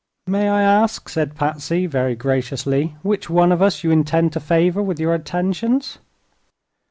"May I ask," said Patsy, very graciously, "which one of us you intend to favor with your attentions?"